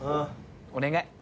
お願い。